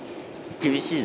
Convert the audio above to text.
厳しいね。